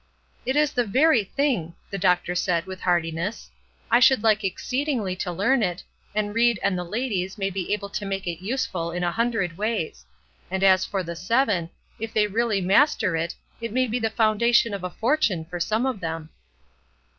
"It is the very thing!" the doctor said, with heartiness. "I should like exceedingly to learn it, and Ried and the ladies may be able to make it useful in a hundred ways; and as for the seven, if they really master it, it may be the foundation of a fortune for some of them."